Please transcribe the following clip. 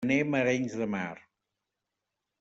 Anem a Arenys de Mar.